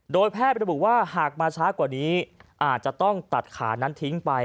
โดยแพทย์ระบุว่าหากมาช้ากว่านี้อาจจะต้องตัดขานั้นทิ้งไป